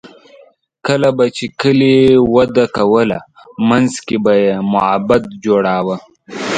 کله به چې کلي وده کوله، منځ کې به یې معبد جوړاوه.